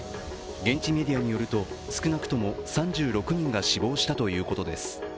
現地メディアによると少なくとも３６人が死亡したということです。